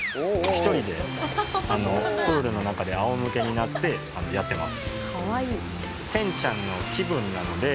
プールの中であおむけになってやってます。